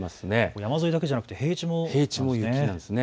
山沿いだけじゃなく平地も雪なんですね。